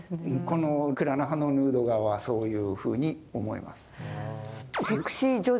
このクラーナハのヌード画はそういうふうに思います。